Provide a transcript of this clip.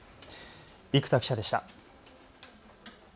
生田記者でした。